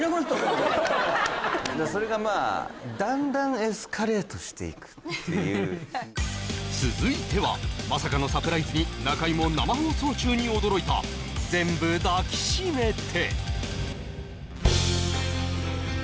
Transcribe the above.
・えーっしていくっていう続いてはまさかのサプライズに中居も生放送中に驚いた「全部だきしめて」